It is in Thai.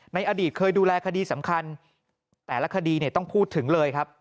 ในอดีตเคยดูแลคดีสำคัญแต่ละคดีเนี่ยต้องพูดถึงเลยครับ